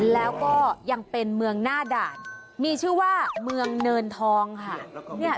แล้วก็ยังเป็นเมืองหน้าด่านมีชื่อว่าเมืองเนินทองค่ะ